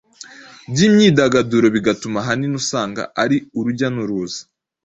byimyidagaduro bigatuma ahanini usanga ari urujya nuruza